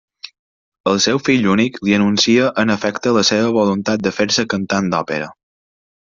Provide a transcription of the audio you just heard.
El seu fill únic li anuncia en efecte la seva voluntat de fer-se cantant d'òpera.